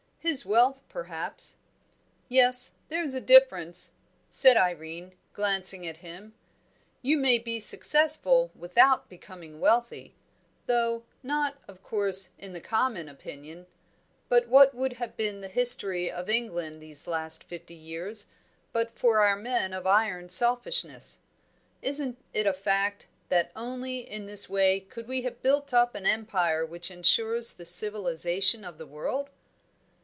"His wealth, perhaps." "Yes, there's a difference," said Irene, glancing at him. "You may be successful without becoming wealthy; though not of course in the common opinion. But what would have been the history of England these last fifty years, but for our men of iron selfishness? Isn't it a fact that only in this way could we have built up an Empire which ensures the civilisation of the world?"